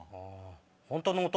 本当の弟